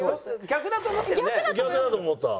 逆だと思った。